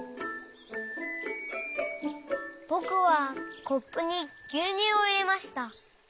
ぼくはコップにぎゅうにゅうをいれました。